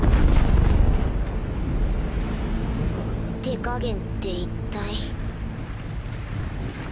手加減って一体。